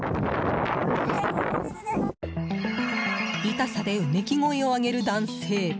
痛さでうめき声を上げる男性。